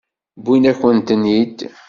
Wwin-akent-ten-id.